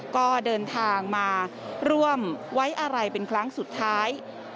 ก็เดินทางมาร่วมไว้อะไรเป็นครั้งสุดท้าย